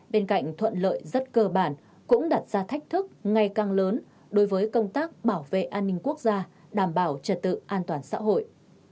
bên cạnh thuận lợi rất cơ bản cũng đặt ra thách thức ngày càng lớn đối với công tác bảo vệ an ninh quốc gia đảm bảo trật tự an toàn xã hội